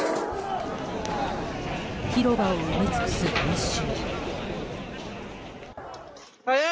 広場を埋め尽くす群衆。